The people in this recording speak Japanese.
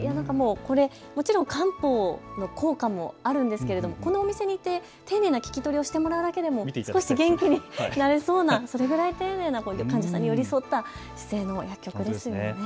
もちろん漢方の効果もあるんですけれどこのお店に行って丁寧な聞き取りをしてもらうだけでも少し元気になれそうな、それぐらい丁寧な患者さんに寄り添った姿勢の薬局ですよね。